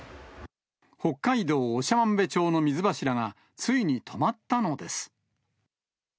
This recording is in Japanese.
北海道長万部町の水柱が、ついに止まったのです。